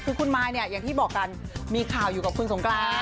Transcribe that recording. คือคุณมายเนี่ยอย่างที่บอกกันมีข่าวอยู่กับคุณสงกราน